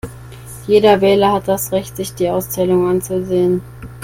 Jeder Wähler hat das Recht, sich die Auszählung anzusehen.